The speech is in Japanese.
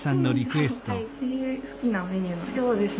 好きなメニューなんですか？